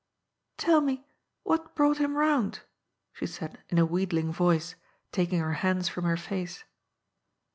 " Tell me what brought him round ?" she said in a wheedling voice, taking her hands from her face.